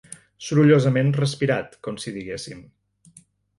Sorollosament respirat, com si diguéssim.